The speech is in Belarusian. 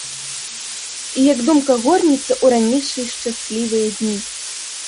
І як думка горнецца ў ранейшыя шчаслівыя дні.